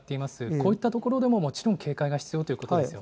こういった所でも、もちろん警戒が必要ということですよね。